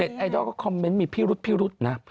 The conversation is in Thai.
เน็ตไอดอลก็คอมเมนต์มีพิรุธนะ